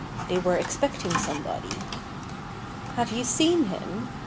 They were expecting somebody. "Have you seen him?"